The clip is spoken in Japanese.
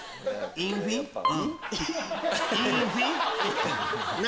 インフィ何？